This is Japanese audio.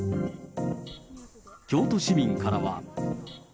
京都市民からは。